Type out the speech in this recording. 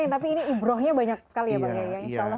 tapi ini ibrohnya banyak sekali